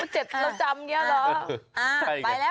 เจ็บเราจำอย่างนี้หรือ